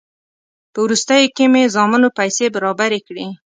په وروستیو کې مې زامنو پیسې برابرې کړې.